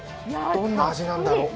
どんな味なんだろう。